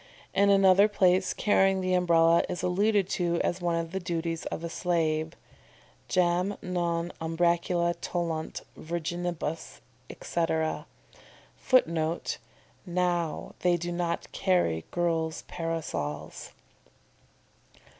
In another place carrying the Umbrella is alluded to as one of the duties of a slave: "Jam non umbracula tollunt Virginibus," etc. [Footnote: "Now they do not carry girls' parasols."